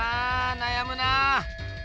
なやむなあ。